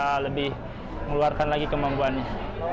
bisa lebih mengeluarkan lagi kemampuannya